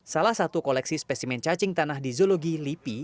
salah satu koleksi spesimen cacing tanah di zoologi lipi